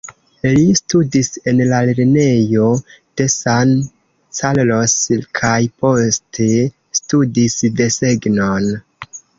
Li studis en la lernejo de San Carlos kaj poste studis desegnon.